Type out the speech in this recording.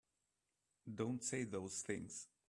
Don't say those things!